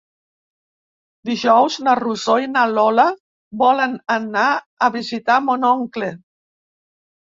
Dijous na Rosó i na Lola volen anar a visitar mon oncle.